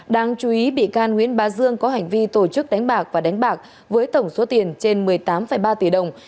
đáng chú ý bị can nguyễn bá dương có hành vi tổ chức đánh bạc và đánh bạc với tổng số tiền trên một mươi tám ba tỷ đồng